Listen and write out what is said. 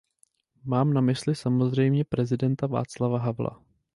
Mám na mysli samozřejmě prezidenta Václava Havla.